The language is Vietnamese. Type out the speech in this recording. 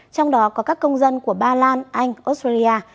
trong đó có các công dân của ba lan anh australia